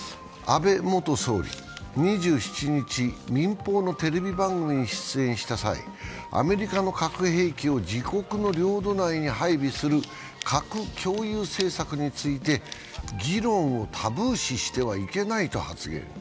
安倍元総理、２７日、民放のテレビ番組に出演した際、アメリカの核兵器を自国の領土内に配備する核共有政策について議論をタブー視してはいけないと発言。